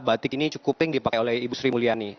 batik ini cukup ring dipakai oleh ibu sri mulyani